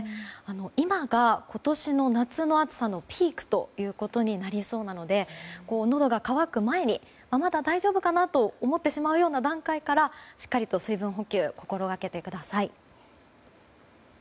今が、今年の夏の暑さのピークということになりそうなのでのどが渇く前にまだ大丈夫かなと思ってしまうような段階からしっかりと水分補給を心がけてください。